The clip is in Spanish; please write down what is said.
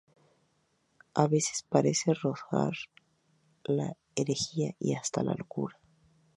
A veces parece rozar la herejía y hasta la locura.